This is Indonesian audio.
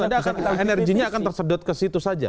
menurut anda energinya akan tersedot ke situ saja